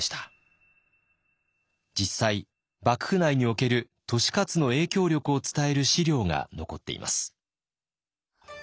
実際幕府内における利勝の影響力を伝える史料が残っています。